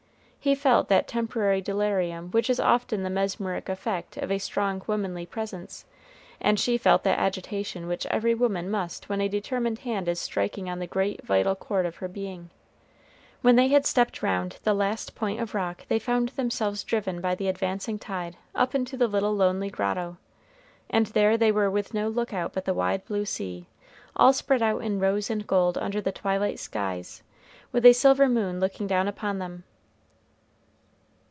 He felt that temporary delirium which is often the mesmeric effect of a strong womanly presence, and she felt that agitation which every woman must when a determined hand is striking on the great vital chord of her being. When they had stepped round the last point of rock they found themselves driven by the advancing tide up into the little lonely grotto, and there they were with no lookout but the wide blue sea, all spread out in rose and gold under the twilight skies, with a silver moon looking down upon them.